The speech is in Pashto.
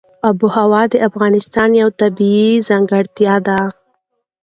آب وهوا د افغانستان یوه طبیعي ځانګړتیا ده.